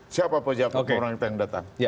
siapa pejabat orang kita yang datang